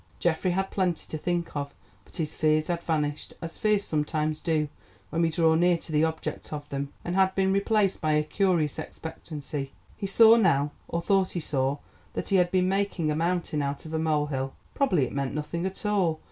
Geoffrey had plenty to think of, but his fears had vanished, as fears sometimes do when we draw near to the object of them, and had been replaced by a curious expectancy. He saw now, or thought he saw, that he had been making a mountain out of a molehill. Probably it meant nothing at all.